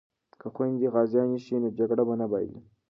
که خویندې غازیانې شي نو جګړه به نه بایلي.